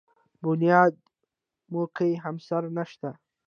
بنیاد مو کې همسر نشته دی.